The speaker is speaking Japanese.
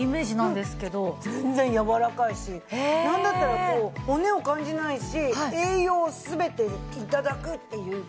全然やわらかいしなんだったらもう骨を感じないし栄養を全て頂くっていう感じ。